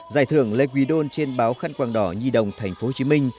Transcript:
giải thưởng lê quỳ đôn trên báo khăn quang đỏ nhi đồng tp hcm